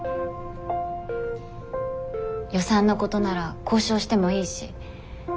予算のことなら交渉してもいいし。